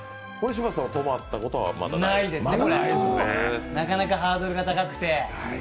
泊まったことはないですね、なかなかハードルが高くて。